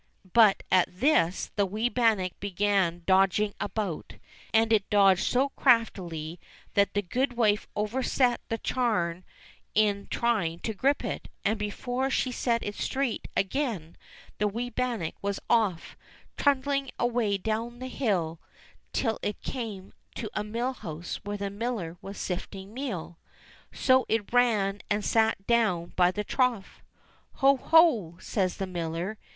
But at this the wee bannock began dodging about, and it dodged so craftily that the goodwife overset the churn in trying to grip it, and before she set it straight again the wee bannock was off, trundling away down the hill till it THE WEE BANNOCK 259 came to a mill house where the miller was sifting meal. So in it ran and sate down by the trough. "Ho, ho!" says the miller.